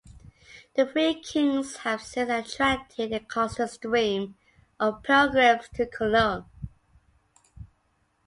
The Three Kings have since attracted a constant stream of pilgrims to Cologne.